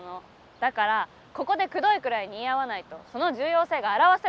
だからここでくどいくらいに言い合わないとその重要性が表せないの。